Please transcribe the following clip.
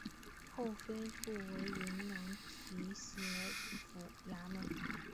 后恢复为云南提督府衙门。